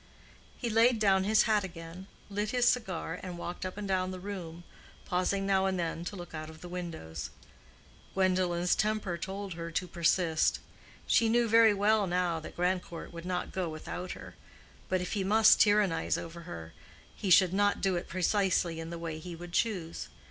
He laid down his hat again, lit his cigar, and walked up and down the room, pausing now and then to look out of the windows. Gwendolen's temper told her to persist. She knew very well now that Grandcourt would not go without her; but if he must tyrannize over her, he should not do it precisely in the way he would choose.